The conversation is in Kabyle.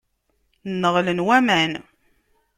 Nneɣlen waman.